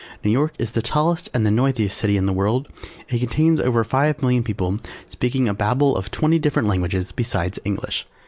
New York is the tallest and the noisiest city in the world. It contains over Five million people speaking a Babel of twenty different languages besides English.